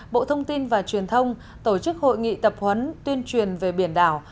bộ thông tin và truyền thông tổ chức hội nghị tập huấn tuyên truyền về biển đảo